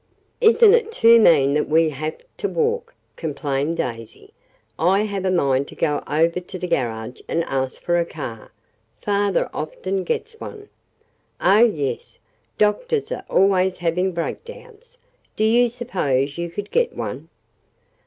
"Isn't it too mean that we have to walk," complained Daisy. "I have a mind to go over to the garage and ask for a car. Father often gets one." "Oh, yes. Doctors are always having breakdowns. Do you suppose you could get one?"